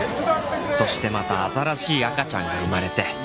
「そしてまた新しい赤ちゃんが生まれて」